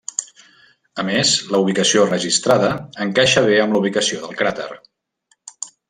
A més, la ubicació registrada encaixa bé amb la ubicació del cràter.